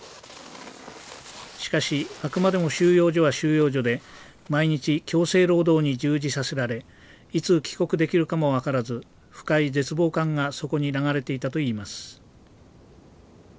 しかしあくまでも収容所は収容所で毎日強制労働に従事させられいつ帰国できるかも分からず深い絶望感がそこに流れていたといいます。